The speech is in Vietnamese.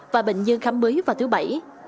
và bệnh nhân khám mới vào thứ bảy